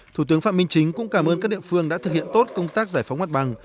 thủ tướng phạm minh chính cũng cảm ơn các địa phương đã thực hiện tốt công tác giải phóng mặt bằng